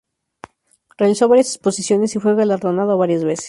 Realizó varias exposiciones y fue galardonado varias veces.